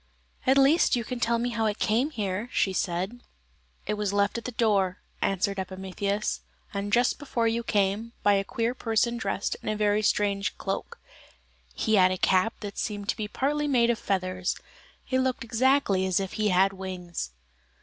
"At least you can tell me how it came here," she said. "It was left at the door," answered Epimetheus, "just before you came, by a queer person dressed in a very strange cloak; he had a cap that seemed to be partly made of feathers; it looked exactly as if he had wings."